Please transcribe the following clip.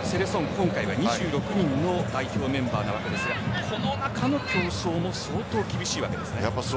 今回は２６人の代表メンバーなわけですがこの中の競争も相当厳しいわけですね。